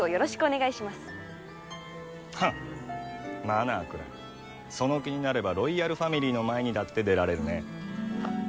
「マナー」くらいその気になればロイヤルファミリーの前にだって出られるね。